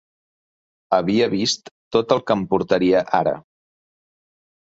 Havia vist tot el que em portaria ara.